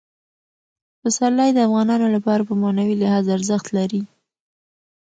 پسرلی د افغانانو لپاره په معنوي لحاظ ارزښت لري.